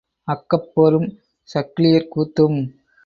அக்கப் போரும் சக்கிலியர் கூத்தும்.